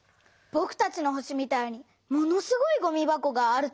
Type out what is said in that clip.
ぼくたちの星みたいにものすごいごみ箱があるとか。